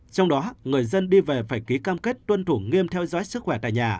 trong đó người dân đi về phải ký cam kết tuân thủ nghiêm theo dõi sức khỏe tại nhà